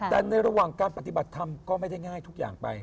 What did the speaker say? แต่ในระหว่างการปฏิบัติธรรมก็ไม่ได้ง่ายทุกอย่างไป